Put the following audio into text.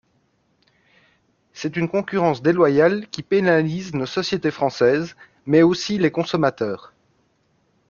C’est une concurrence déloyale qui pénalise nos sociétés françaises, mais aussi les consommateurs.